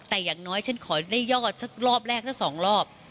แต่อย่างน้อยฉันขอได้ยอดสักรอบแรกสัก๒รอบ